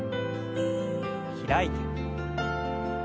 開いて。